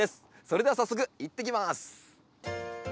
それでは早速いってきます！